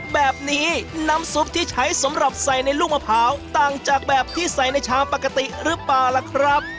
แบบนี้น้ำซุปที่ใช้สำหรับใส่ในลูกมะพร้าวต่างจากแบบที่ใส่ในชามปกติหรือเปล่าล่ะครับ